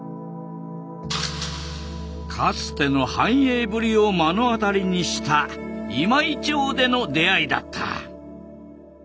かつての繁栄ぶりを目の当たりにした今井町での出会いだった。